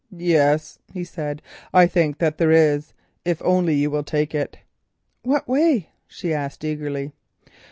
"Yes," he said, "I think that there is, if only you will take it." "What way?" she asked eagerly.